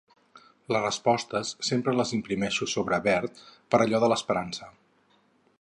Les respostes sempre les imprimeixo sobre verd, per allò de l'esperança.